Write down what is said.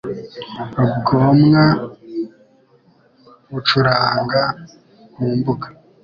Rugomwa bacuranga mu mbuga